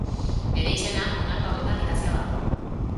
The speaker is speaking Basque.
Bere izena, honako hauetan idatzia dago.